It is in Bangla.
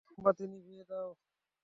মোমবাতি নিভিয়ে দাও।